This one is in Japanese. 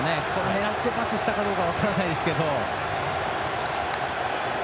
狙ってパスしたかどうか分からないですけど。